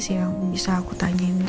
siapa yang bisa aku tanyain soal ini